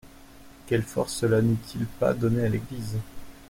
Quelle force cela n'eût-il pas donnée à l'Église.